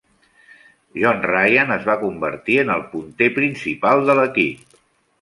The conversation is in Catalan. Jon Ryan es va convertir en el "punter" principal de l'equip.